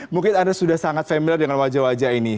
mungkin anda sudah sangat familiar dengan wajah wajah ini